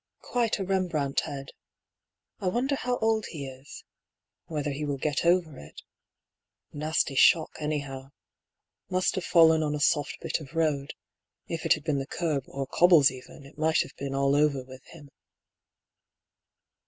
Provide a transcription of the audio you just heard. Quite a Rembrandt head. I wonder how old he is — whether he will get over it ? Nasty shock, anyhow. Must have fallen on a soft bit of road ; if it had been the kerb, or cobbles even, it might have been all over with him."